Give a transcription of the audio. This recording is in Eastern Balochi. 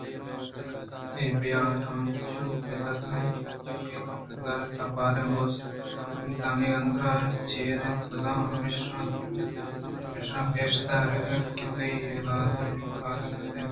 اے بہیا رانچو پدّر نہ اَت بلئے کاگد ءِ تہ ءِ بازیں اوست ءُاُمیتانی اندر ءَ چیر ات بزاں آ ہمیش پیش دارگ ءَ اَت کہ تئی بالاد یک کاردارے قدءَ اِنت